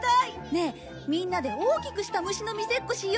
ねえみんなで大きくした虫の見せっこしようよ。